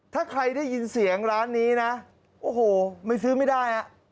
ถ้าใครได้ยินเสียงร้านนี้นะโอ้โหไม่ซื้อไม่ได้อ่ะ